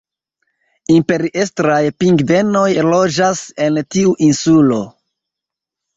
Imperiestraj pingvenoj loĝas en tiu insulo.